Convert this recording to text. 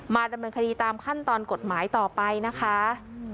ดำเนินคดีตามขั้นตอนกฎหมายต่อไปนะคะ